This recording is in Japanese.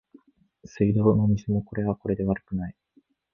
水道の水もこれはこれで悪くない